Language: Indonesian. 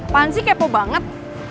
pan sih kepo banget